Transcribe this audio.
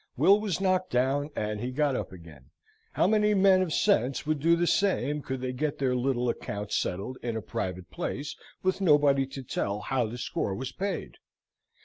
Will was knocked down, and he got up again. How many men of sense would do the same, could they get their little account settled in a private place, with nobody to tell how the score was paid!